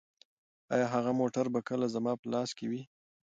ایا هغه موټر به کله زما په لاس کې وي؟